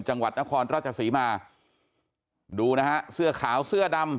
จังหวัดนครราชศรีมาดูนะฮะเสื้อขาวเสื้อดำ